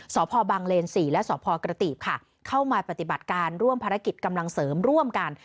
สพบังเลน๔และสพกระตีบค่ะเข้ามาปฏิบัติการร่วมภารกิจกำลังเสริมร่วมกัน